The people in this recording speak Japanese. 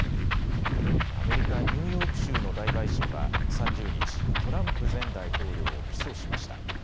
アメリカ・ニューヨーク州の大陪審は３０日、トランプ前大統領を起訴しました。